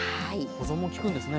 保存もきくんですね。